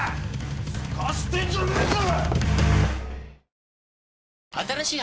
すかしてんじゃねえぞ！